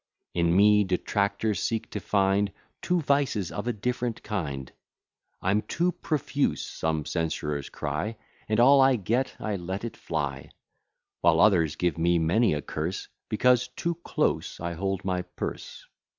In me detractors seek to find Two vices of a different kind; I'm too profuse, some censurers cry, And all I get, I let it fly; While others give me many a curse, Because too close I hold my purse.